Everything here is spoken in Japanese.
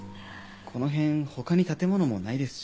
この辺他に建物もないですし。